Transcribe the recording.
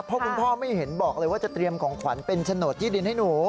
เพราะคุณพ่อไม่เห็นบอกเลยว่าจะเตรียมของขวัญเป็นโฉนดที่ดินให้หนู